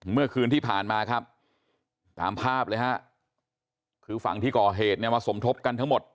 เมื่อคืนที่ผ่านมาครับตามภาพเลยฮะคือฝั่งที่ก่อเหตุเนี่ยมาสมทบกันทั้งหมด